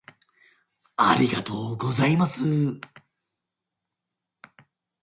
「ありがとうございます」